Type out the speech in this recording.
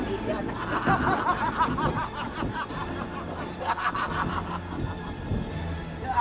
kita tidak dapat keterbakaran